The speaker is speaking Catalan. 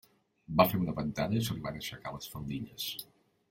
Va fer una ventada i se li van aixecar les faldilles.